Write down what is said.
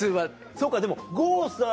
そっかでも郷さん